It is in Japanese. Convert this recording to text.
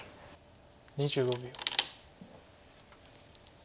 ２５秒。